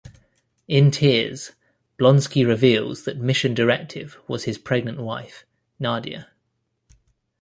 In tears, Blonsky reveals that Mission Directive was his pregnant wife, Nadia.